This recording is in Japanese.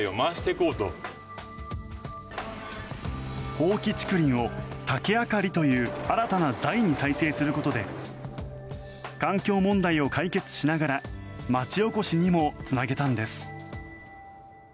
放棄竹林を竹あかりという新たな財に再生することで環境問題を解決しながら町おこしにもつなげたんです。